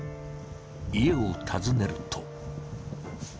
家を訪ねると。